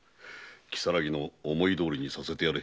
如月の思いどおりにさせてやれ。